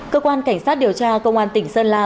cơ quan cảnh sát điều tra công an tỉnh sơn la